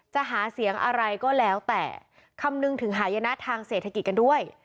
จะหาเสียงอะไรก็แล้วแต่คำนึงถึงหายนะทางเศรษฐกิจกันด้วย